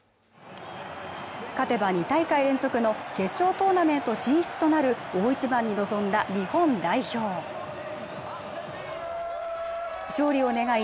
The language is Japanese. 勝てば２大会連続の決勝トーナメント進出となる大一番に臨んだ日本代表勝利を願い